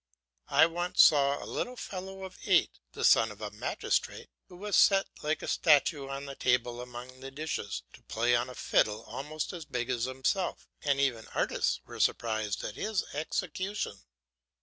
I once saw a little fellow of eight, the son of a magistrate, who was set like a statuette on the table among the dishes, to play on a fiddle almost as big as himself, and even artists were surprised at his execution.